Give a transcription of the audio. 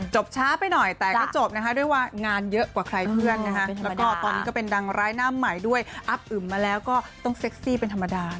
ช้าไปหน่อยแต่ก็จบนะคะด้วยว่างานเยอะกว่าใครเพื่อนนะคะแล้วก็ตอนนี้ก็เป็นดังร้ายหน้าใหม่ด้วยอัพอึ่มมาแล้วก็ต้องเซ็กซี่เป็นธรรมดา